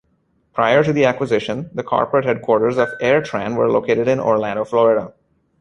Prior to the acquisition, the corporate headquarters of AirTran were located in Orlando, Florida.